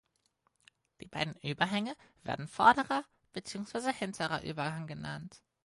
Die beiden Überhänge werden "vorderer" beziehungsweise "hinterer Überhang" genannt.